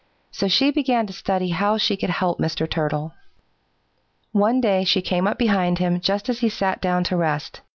So she began to study how she could help Mr. Turtle. One day she came up behind him just as he sat down to rest.